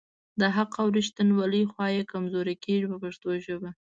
د حق او ریښتیولۍ خوا یې کمزورې کیږي په پښتو ژبه.